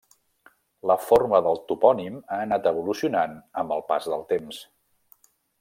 La forma del topònim ha anat evolucionant amb el pas del temps.